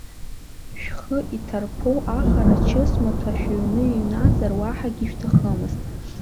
Шәхы иҭарԥоу аҟара чысмаҭәа шәыҩны иҩназар, уаҳагьы шәҭахымызт.